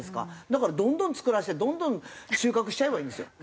だからどんどん作らせてどんどん収穫しちゃえばいいんですよ。